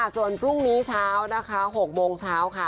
ส่วนพรุ่งนี้เช้านะคะ๖โมงเช้าค่ะ